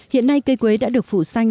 hiện nay cây quế đã được phủ sang